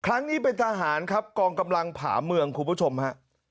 ครั้งนี้เป็นทหารครับกองกำลังผ่าเมืองคุณผู้ชมฮะ